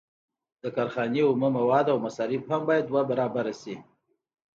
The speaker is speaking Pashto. د کارخانې اومه مواد او مصارف هم باید دوه برابره شي